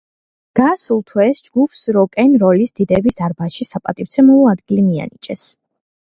გასულ თვეს ჯგუფს როკენ როლის დიდების დარბაზში საპატივცემულო ადგილი მიანიჭეს.